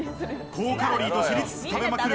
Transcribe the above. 高カロリーと知りつつ食べまくる